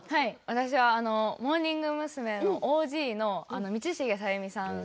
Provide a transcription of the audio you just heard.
私はモーニング娘。のＯＧの道重さゆみさん。